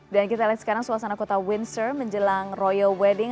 dan kita lihat sekarang suasana kota windsor menjelang royal wedding